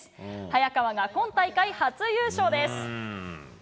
早川が今大会初優勝です。